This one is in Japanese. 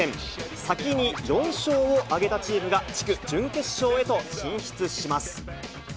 先に４勝を挙げたチームが、地区準決勝へと進出します。